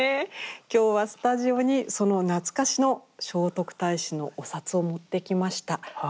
今日はスタジオにその懐かしの聖徳太子のお札を持ってきました。